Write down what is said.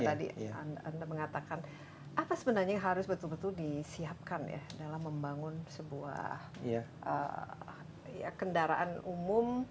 tadi anda mengatakan apa sebenarnya yang harus betul betul disiapkan ya dalam membangun sebuah kendaraan umum